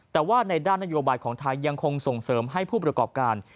แต่ว่าในด้านนโยบายของไทยยังคงส่งเสริมให้ผู้ประกอบการ